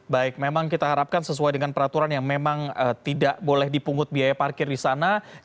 baik memang kita harapkan sesuai dengan peraturan yang memang tidak boleh dipungut biaya parkir di sana